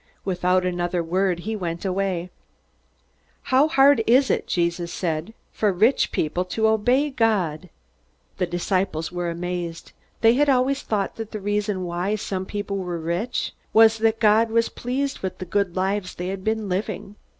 Without another word he went away. "How hard it is," Jesus said, "for rich people to obey God!" The disciples were amazed. They had always thought that the reason why some people were rich was that God was pleased with the good lives they had been living.